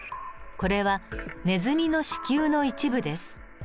これはネズミの子宮の一部です。